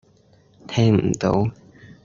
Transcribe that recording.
聽唔到